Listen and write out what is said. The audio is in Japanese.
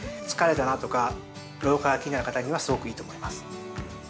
疲れたなとか、老化が気になる方には、すごくいいと思います。